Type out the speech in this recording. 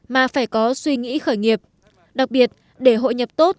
mà phải có suy nghĩ khởi nghiệp đặc biệt để hội nhập tốt